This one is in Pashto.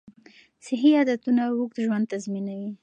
صحي عادتونه اوږد ژوند تضمینوي.